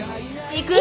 行く！